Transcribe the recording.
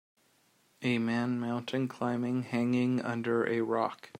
a man mountain climbing hanging under a rock